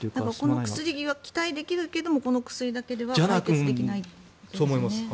この薬は期待できるけどこの薬だけでは解決できないですね。